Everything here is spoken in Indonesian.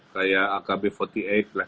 kayak akb empat puluh delapan lah